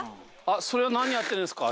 それは何やってるんですか？